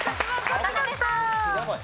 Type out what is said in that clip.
渡辺さん。